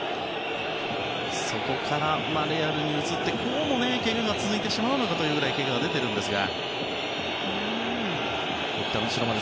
そこからレアルに移ってこうも、けがが続いてしまうのかというぐらいけがが出ているんですが。